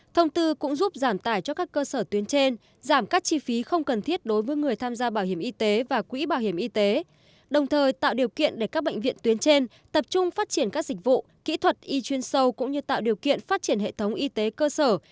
thông tư cũng giúp giảm tải cho các cơ sở tuyến trên giảm các chi phí không cần thiết đối với người tham gia bảo hiểm y tế và quỹ bảo hiểm y tế đồng thời tạo điều kiện để các bệnh viện tuyến trên tập trung phát triển các dịch vụ kỹ thuật y chuyên sâu cũng như tạo điều kiện phát triển hệ thống y tế cơ sở